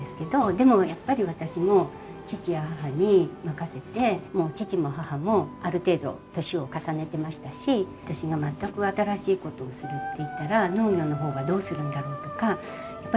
でもやっぱり私も義父や義母に任せて義父も義母もある程度歳を重ねてましたし私が全く新しいことをするって言ったら農業の方はどうするんだろうとかやっぱりすごく迷ったんですね。